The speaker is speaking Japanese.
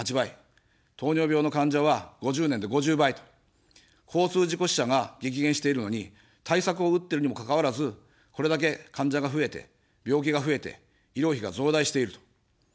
糖尿病の患者は５０年で５０倍と、交通事故死者が激減しているのに、対策を打ってるにもかかわらず、これだけ患者が増えて、病気が増えて、医療費が増大していると。